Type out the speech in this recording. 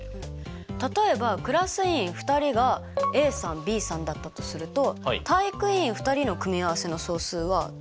例えばクラス委員２人がＡさんＢさんだったとすると体育委員２人の組合せの総数はどのようにして求めますか？